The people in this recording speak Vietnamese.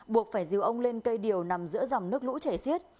buộc phải diều ông lên cây điều nằm giữa dòng nước lũ chảy xiết